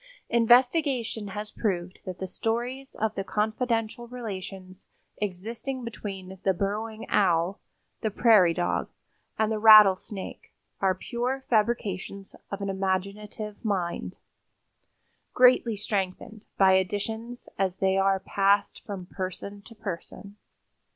Investigation has proved that the stories of the confidential relations existing between the Burrowing Owl, the prairie dog and the rattlesnake are pure fabrications of an imaginative mind, greatly strengthened by additions as they are passed from person to person.